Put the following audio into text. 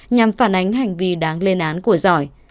nhằm phản ánh hành vi đáng lên án của giỏi